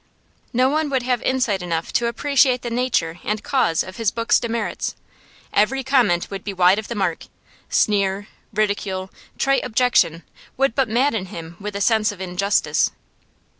No one would have insight enough to appreciate the nature and cause of his book's demerits; every comment would be wide of the mark; sneer, ridicule, trite objection, would but madden him with a sense of injustice.